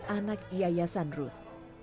anak yayasan ruth